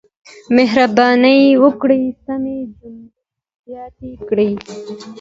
مهرباني وکړئ سمې جملې زیاتې کړئ.